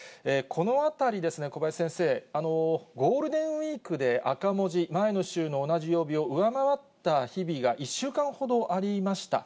このあたりですね、小林先生、ゴールデンウィークで赤文字、前の週の同じ曜日を上回った日々が１週間ほどありました。